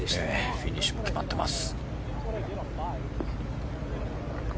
フィニッシュも決まってます。